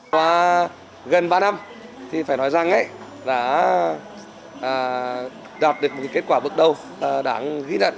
qua gần ba năm thì phải nói rằng đã đạt được một kết quả bước đầu đáng ghi nhận